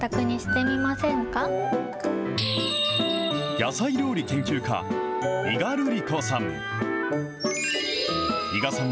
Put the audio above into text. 野菜料理研究家、伊賀るり子さん。